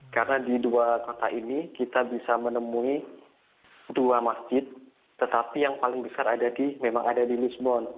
karena di dua kota ini kita bisa menemui dua masjid tetapi yang paling besar memang ada di lisbon